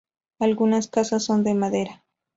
Algunas casas son de madera.